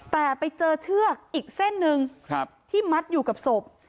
แต่ไปเจอเชือกอีกเส้นหนึ่งที่มัดอยู่กับศพ